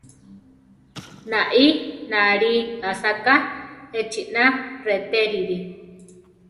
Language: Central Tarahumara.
Naí náli asáka, echina retérili.